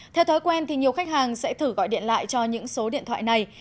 theo thói quen thì nhiều khách hàng sẽ thử gọi điện lại cho những số điện thoại này